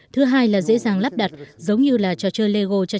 thứ hai là dễ dàng lắp đặt giống như là trò chơi lego cho trẻ con